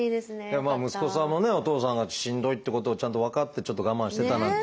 息子さんもねお父さんがしんどいってことをちゃんと分かってちょっと我慢してたなんていう。